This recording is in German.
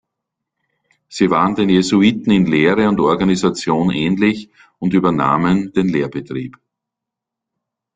Sie waren den Jesuiten in Lehre und Organisation ähnlich und übernahmen den Lehrbetrieb.